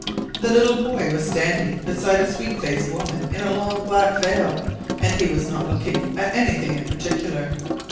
The little boy was standing beside a sweet faced woman in a long black veil and he was not looking at anything in particular.